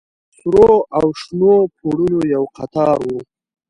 د سرو او شنو پوړونو يو قطار و.